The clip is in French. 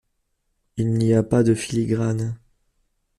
Il n'y a pas de filigrane.